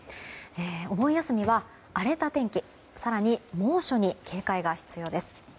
お盆休みは荒れた天気更に猛暑に警戒が必要です。